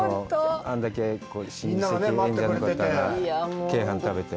あれだけ親戚縁者の方が鶏飯食べて。